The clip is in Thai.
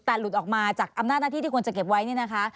แต่หลุดออกมาจากอำนาจหน้าที่ที่ควรจะเก็บไว้นี่นะคะ